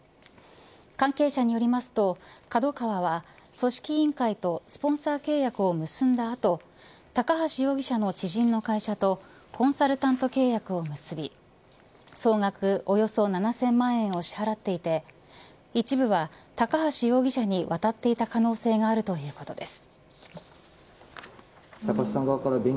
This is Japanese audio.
関係者によりますとＫＡＤＯＫＡＷＡは組織委員会とスポンサー契約を結んだ後高橋容疑者の知人の会社とコンサルタント契約を結び総額およそ７０００万円を支払っていて一部は高橋容疑者に渡っていた可能性があるということです。